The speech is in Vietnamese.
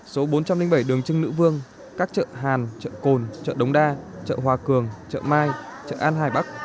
số bốn trăm linh bảy đường trưng nữ vương các chợ hàn chợ cồn chợ đống đa chợ hòa cường chợ mai chợ an hải bắc